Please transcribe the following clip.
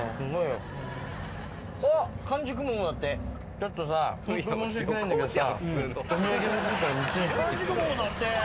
ちょっとさホント申し訳ないんだけどさ。